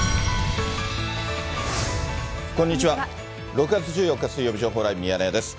６月１４日水曜日、情報ライブミヤネ屋です。